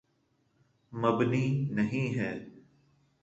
مبنی نہیں ہے۔